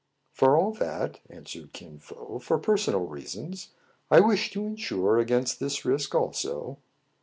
" For all that," answered Kin Fo, " for personal reasons, I wish to insure against this risk also."